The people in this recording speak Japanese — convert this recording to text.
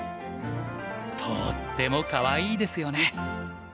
とってもかわいいですよね。